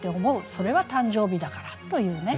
それは誕生日だからというね。